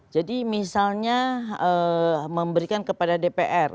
jadi misalnya memberikan kepada dpr